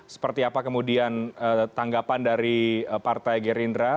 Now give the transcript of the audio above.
seperti apa kemudian tanggapan dari partai gerindra